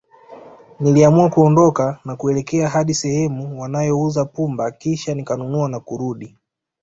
Niliamua kuondoka na kuelekea hadi sehemu wanayouza pumba Kisha nikanunua na kurudi